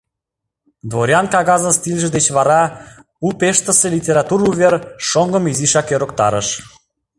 Дворян кагазын стильже деч вара у Пештысе литератур увер шоҥгым изишак ӧрыктарыш.